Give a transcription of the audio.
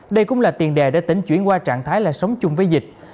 đây cũng là tiền đề đã tính chuyển qua trạng thái là sống chung với dịch